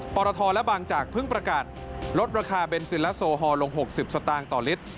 ปรทและบางจากเพิ่งประกาศลดราคาเบนซินและโซฮอลลง๖๐สตางค์ต่อลิตร